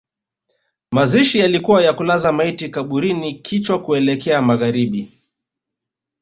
Mazishi yalikuwa ya kulaza maiti kaburini kichwa kuelekea magharibi